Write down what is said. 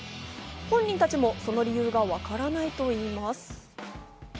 本人たちもその理由がわからないといいます。